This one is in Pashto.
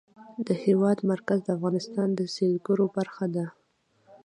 د هېواد مرکز د افغانستان د سیلګرۍ برخه ده.